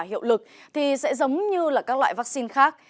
hiệu lực thì sẽ giống như các loại vaccine khác